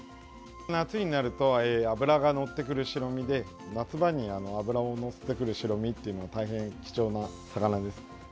夏になると脂がのってくる白身で夏場に脂をのせてくる白身っていうのは大変貴重な魚です。